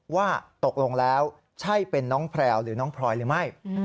ว่าตกลงแล้วใช่เป็นน้องแพลวหรือน้องพลอยหรือไม่